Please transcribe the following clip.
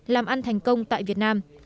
làm ăn thành công tại việt nam